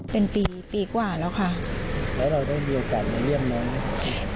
เป็นปีปีกว่าแล้วค่ะแล้วเราต้องมีโอกาสมาเรียบร้อย